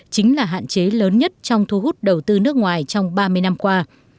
chính là hạn chế lớn nhất trong thu hút đầu tư nước ngoài trong ba mươi năm qua